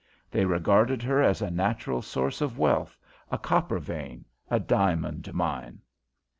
They regarded her as a natural source of wealth; a copper vein, a diamond mine.